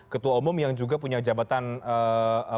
ketua umum yang juga punya jabatan eee